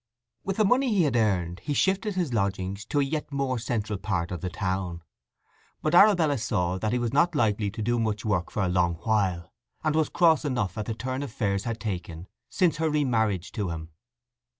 With the money he had earned he shifted his lodgings to a yet more central part of the town. But Arabella saw that he was not likely to do much work for a long while, and was cross enough at the turn affairs had taken since her remarriage to him.